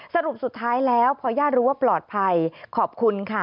สรุปสุดท้ายแล้วพอญาติรู้ว่าปลอดภัยขอบคุณค่ะ